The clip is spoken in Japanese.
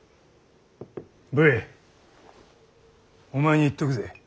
武衛お前に言っとくぜ。